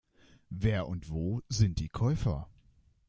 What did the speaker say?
Wer und wo sind die Käufer?